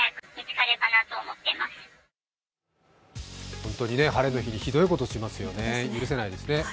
本当に晴れの日にひどいことしますよね、許せないですね。